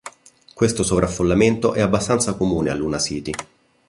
Questo sovraffollamento è abbastanza comune a Luna City.